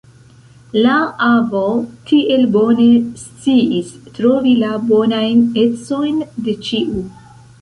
La avo tiel bone sciis trovi la bonajn ecojn de ĉiu!